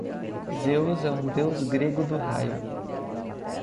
Zeus é um deus grego do raio.